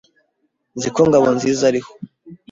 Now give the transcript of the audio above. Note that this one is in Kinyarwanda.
Nzi ko Ngabonziza ariho.